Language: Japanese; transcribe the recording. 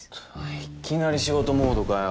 いきなり仕事モードかよ